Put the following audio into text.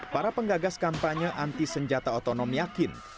para penggagas kampanye anti senjata otonom yakin